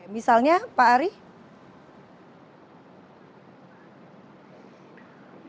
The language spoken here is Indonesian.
misalnya pak ari